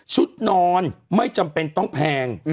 นอนไม่จำเป็นต้องแพง